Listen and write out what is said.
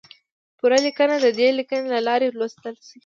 پوره لیکنه د دې لینک له لارې لوستی شئ!